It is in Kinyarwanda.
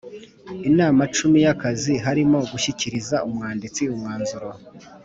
inama icumi y akazi harimo gushyikiriza Umwanditsi umwanzuro